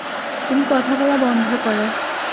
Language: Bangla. তুমি কথা বলা বন্ধ কর।